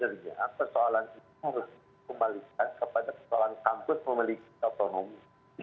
jadi sebenarnya persoalan ini harus dikembalikan kepada persoalan kampus memiliki otonomi